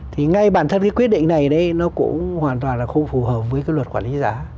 thì ngay bản thân cái quyết định này nó cũng hoàn toàn là không phù hợp với cái luật quản lý giá